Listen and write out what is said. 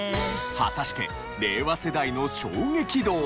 果たして令和世代の衝撃度は？